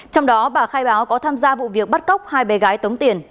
trong đó bà khai báo có tham gia vụ việc bắt cóc hai bé gái tống tiền